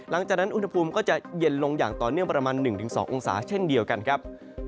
หลังจากนั้นอุณหภูมิก็จะเย็นลงอย่างต่อเนื่องประมาณ๑๒องศาเช่นเดียวกันครับ